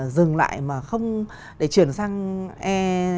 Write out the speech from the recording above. dừng lại mà không để chuyển sang e chín mươi hai